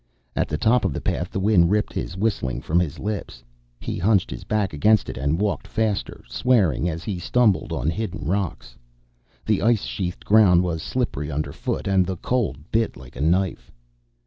At the top of the path, the wind ripped his whistling from his lips. He hunched his back against it and walked faster, swearing as he stumbled on hidden rocks. The ice sheathed ground was slippery underfoot, and the cold bit like a knife.